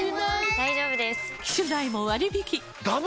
大丈夫です！